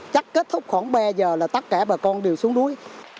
chắc kết thúc khoảng ba giờ là tất cả bà con đều xuống đuối